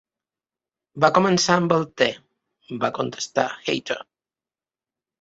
"Va començar amb el te", va contestar Hatter.